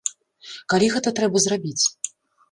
Калі гэта трэба зрабіць?